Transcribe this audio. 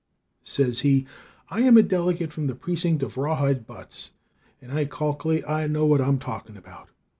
Says he, "I am a delegate from the precinct of Rawhide Buttes, and I calklate I know what I am talkin' about.